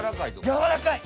やわらかい。